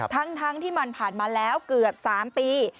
ทั้งที่มันผ่านมาแล้วเกือบ๓ปี